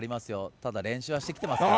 ただ練習はしてきてるので。